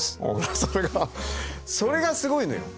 それがそれがすごいのよ。